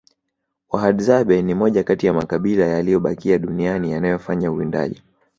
wahadzabe ni moja Kati ya makabila yaliyobakia duniani yanayofanya uwindaji